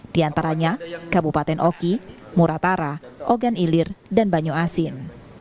di antaranya kabupaten oki muratara ogan ilir dan banyu asin